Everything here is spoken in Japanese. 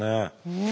うん。